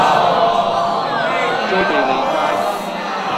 租庇利街